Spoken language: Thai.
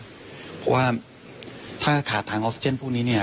เพราะว่าถ้าขาดทางออกซิเจนพวกนี้เนี่ย